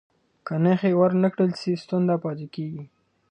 که نښې ور نه کړل سي، ستونزه پاتې کېږي.